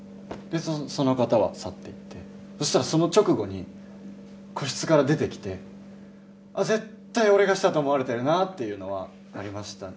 その方は去っていって、そしたら、その直後に個室から出てきて、あっ、絶対、俺がしたと思われてるなっていうのはありましたね。